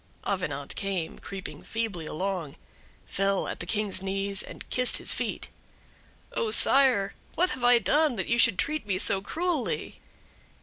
Avenant came, creeping feebly along, fell at the King's knees, and kissed his feet: "Oh sire, what have I done that you should treat me so cruelly?"